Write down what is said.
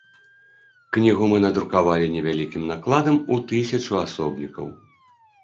Кнігу мы надрукавалі невялікім накладам у тысячу асобнікаў.